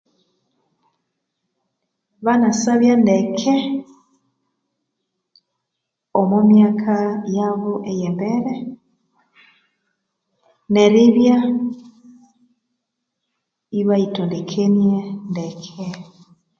Banasabya ndeke omo myaka yabo eyembere neribya ibayithondekenie ndeke